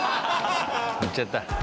言っちゃった。